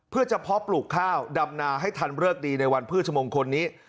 เพื่อเฉพาะปลูกข้าวดำนาให้ทันเลิกดีในวันพฤชมงคลนี้